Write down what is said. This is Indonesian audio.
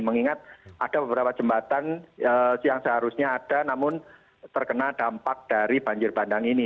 mengingat ada beberapa jembatan yang seharusnya ada namun terkena dampak dari banjir bandang ini